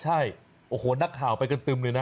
ใช่โอ้โหนักข่าวไปกันตึมเลยนะ